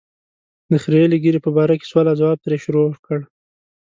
د خرییلې ږیرې په باره کې سوال او ځواب ترې شروع کړ.